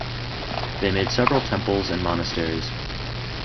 They made several temples and monasteries.